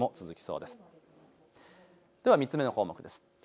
では３つ目の項目です。